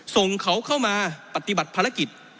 ส่งเขาเข้ามาปฏิบัติภารกิจ